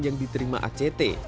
yang diterima act